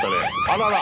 あらら。